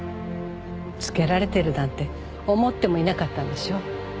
つけられてるなんて思ってもいなかったんでしょ。